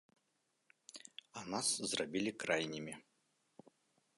А нас зрабілі крайнімі.